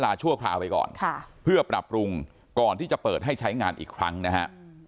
ชั่วคราวไปก่อนค่ะเพื่อปรับปรุงก่อนที่จะเปิดให้ใช้งานอีกครั้งนะฮะ